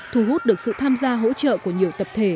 thu hút được sự tham gia hỗ trợ của nhiều tập thể